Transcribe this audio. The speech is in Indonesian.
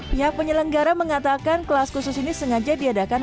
pihak penyelenggara mengatakan kelas khusus ini sengaja diadakan